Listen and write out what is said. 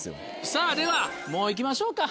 さぁではもう行きましょうか。